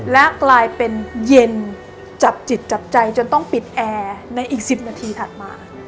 และกลายเป็นเย็นจับจิตจับใจจนต้องปิดแอร์ในอีก๑๐นาทีถัดมา